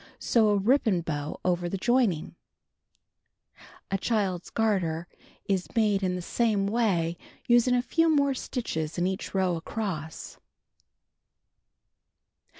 Sew a ribbon bow over the joining, A Child's Garter is made in the same way, using a few more stitches in each row across.